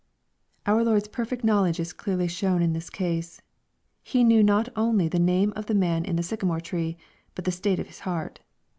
Our Lord's perfect knowledge is clearly shown in this case. He knew not only the name of the man in the sycamore tree, but the state of his heart.